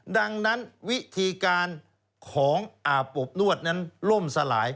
ดังนั้นวิธีการของอาบอบนวดนั้นล่มสลาย